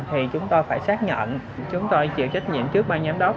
thì chúng tôi phải xác nhận chúng tôi chịu trách nhiệm trước bang giám đốc